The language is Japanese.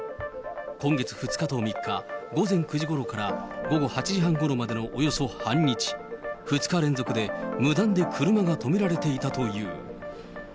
今月２日と３日、午前９時ごろから午後８時半ごろまでのおよそ半日、２日連続で無断で車が止められていたという。